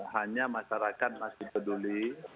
hanya masyarakat masih peduli